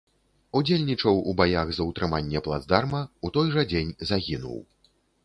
Удзельнічаў у баях за ўтрыманне плацдарма, у той жа дзень загінуў.